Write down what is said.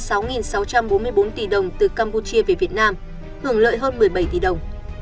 trị giá hơn sáu sáu trăm bốn mươi bốn tỷ đồng từ campuchia về việt nam hưởng lợi hơn một mươi bảy tỷ đồng